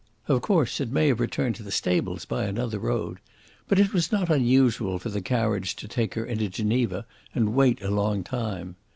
Of course, it may have returned to the stables by another road. But it was not unusual for the carriage to take her into Geneva and wait a long time.